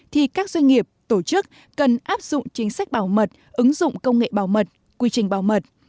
thì các doanh nghiệp tổ chức cần áp dụng chính sách bảo mật ứng dụng công nghệ bảo mật quy trình bảo mật